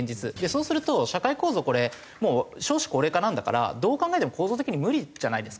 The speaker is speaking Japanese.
そうすると社会構造これもう少子高齢化なんだからどう考えても構造的に無理じゃないですか。